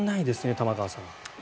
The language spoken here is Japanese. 玉川さん。